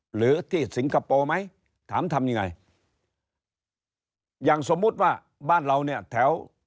หรือที่สิงคโปร์ไหมถามทำยังไงอย่างสมมุติว่าบ้านเราเนี่ยแถว